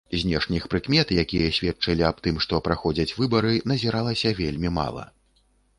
Знешніх прыкмет, якія сведчылі аб тым, што праходзяць выбары, назіралася вельмі мала.